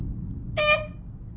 えっ！？